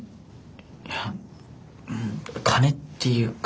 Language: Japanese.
いや金っていうか。